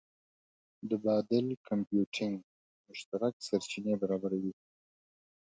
د بادل کمپیوټینګ مشترک سرچینې برابروي.